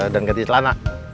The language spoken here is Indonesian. dan ganti celana